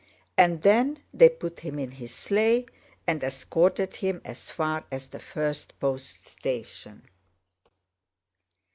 and then they put him in his sleigh and escorted him as far as the first post station.